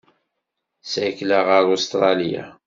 Ssakleɣ ɣer Ustṛalya.